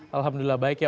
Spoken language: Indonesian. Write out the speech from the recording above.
alhamdulillah baik ya